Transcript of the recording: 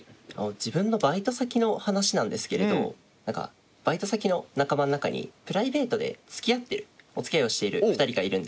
自分のバイト先の話なんですけれどバイト先の仲間の中にプライベートでつきあってるおつきあいをしている２人がいるんですね。